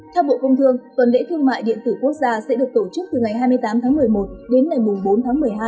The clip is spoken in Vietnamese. theo bộ công thương tuần lễ thương mại điện tử quốc gia sẽ được tổ chức từ ngày hai mươi tám tháng một mươi một đến ngày bốn tháng một mươi hai